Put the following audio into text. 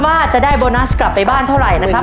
ว่าจะได้โบนัสกลับไปบ้านเท่าไหร่นะครับ